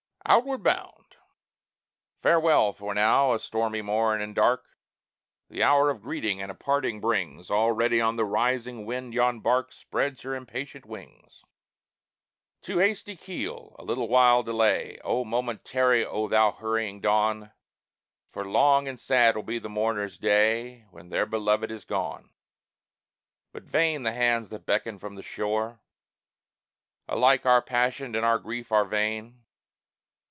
OUTWARD BOUND Farewell! for now a stormy morn and dark The hour of greeting and of parting brings; Already on the rising wind yon bark Spreads her impatient wings. Too hasty keel, a little while delay! A moment tarry, O thou hurrying dawn! For long and sad will be the mourners' day When their beloved is gone. But vain the hands that beckon from the shore: Alike our passion and our grief are vain.